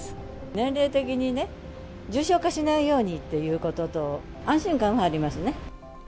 年齢的にね、重症化しないようにっていうことと、安心感がありま